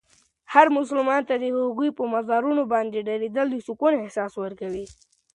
هر مسلمان ته د هغوی په مزارونو باندې درېدل د سکون احساس ورکوي.